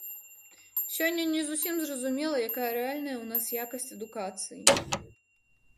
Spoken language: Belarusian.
Сёння не зусім зразумела, якая рэальная ў нас якасць адукацыі.